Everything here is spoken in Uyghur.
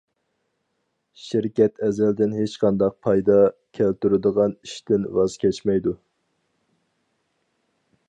شىركەت ئەزەلدىن ھېچقانداق پايدا كەلتۈرىدىغان ئىشتىن ۋاز كەچمەيدۇ.